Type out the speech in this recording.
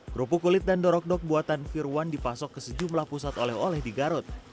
kerupuk kulit dan dorok dok buatan firwan dipasok ke sejumlah pusat oleh oleh di garut